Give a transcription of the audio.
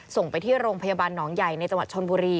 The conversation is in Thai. ส่งไปที่โรงพยาบาลหนองใหญ่ในจังหวัดชนบุรี